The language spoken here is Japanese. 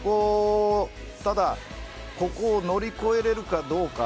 ただ、ここを乗り越えれるかどうか。